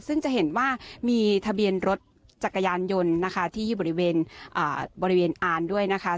ซึ่งจะเห็นว่ามีทะเบียนรถจักรยานยนต์นะคะที่บริเวณบริเวณอาร์ด้วยนะคะ